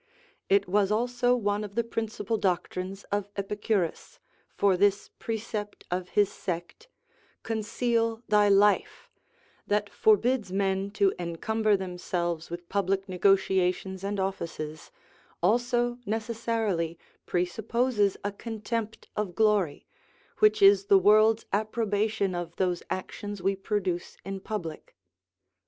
It was also one of the principal doctrines of Epicurus; for this precept of his sect, Conceal thy life, that forbids men to encumber themselves with public negotiations and offices, also necessarily presupposes a contempt of glory, which is the world's approbation of those actions we produce in public.